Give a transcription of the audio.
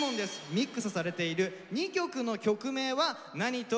ミックスされている２曲の曲名は何と何でしょうか？